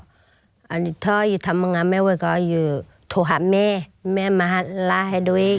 ถ้าจะทำงานไม่ไหวก็จะโทรหาแม่แม่มารับให้ด้วย